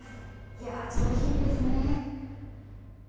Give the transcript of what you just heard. いやー、上品ですね。